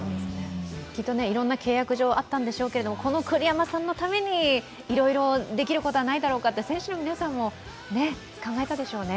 きっと契約上、いろいろあったんでしょうけど、この栗山さんのためにいろいろできることはないだろうかって選手の皆さんも考えたでしょうね。